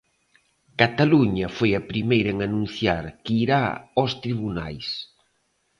Cataluña foi a primeira en anunciar que irá aos tribunais.